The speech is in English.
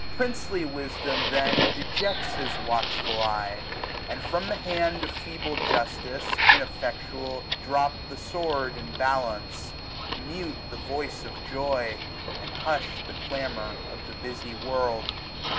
Princely wisdom, then, 1065 Dejects his watchful eye ; and from the hand Of feeble justice, ineflfectual, drop The sword and balance : mute the voice of joy. And hush'd the clamour of the busy world.